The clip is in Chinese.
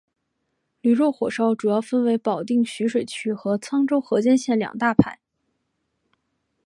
驴肉火烧主要分为保定徐水区和沧州河间县两大派。